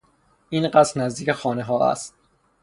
این قصر نزدیک خانه ها است.